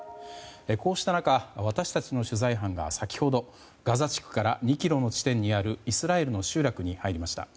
こうした中、私たちの取材班が先ほどガザ地区から２ｋｍの地点にあるイスラエルの集落に入りました。